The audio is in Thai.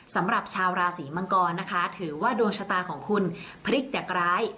สำหรับชาวราศีมังกรนะคะถือว่าดวงชะตาของคุณพลิกจากร้าย